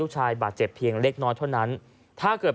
ชายบาดเจ็บเพียงเล็กน้อยเท่านั้นถ้าเกิด